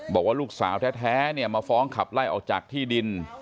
บอกว่าลูกสาวแท้มาฟ้องขับไล่ออกจากที่ดิน